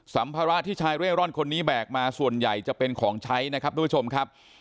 ัมภาระที่ชายเร่ร่อนคนนี้แบกมาส่วนใหญ่จะเป็นของใช้นะครับทุกผู้ชมครับ